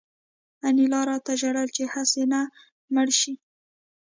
انیلا راته ژړل چې هسې نه مړ شې